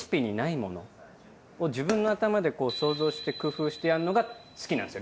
自分の頭でこう想像して工夫してやるのが好きなんですよ